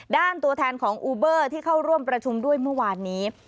ตัวแทนของอูเบอร์ที่เข้าร่วมประชุมด้วยเมื่อวานนี้